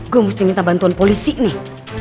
gue mesti minta bantuan polisi nih